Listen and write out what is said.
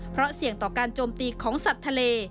เพราะเสี่ยงต่อการโจมตีของสัตว์ทะเล